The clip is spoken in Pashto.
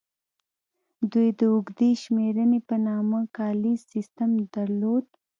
دوی د اوږدې شمېرنې په نامه کالیز سیستم درلود